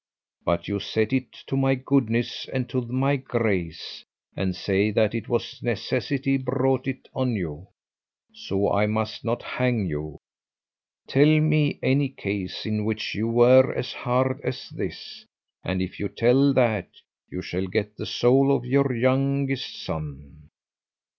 But you set it to my goodness and to my grace, and say that it was necessity brought it on you, so I must not hang you. Tell me any case in which you were as hard as this, and if you tell that, you shall get the soul of your youngest son."